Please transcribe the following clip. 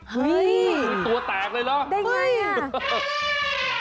เฮ้ยตัวแตกเลยเหรอเฮ้ยได้ไงน่ะ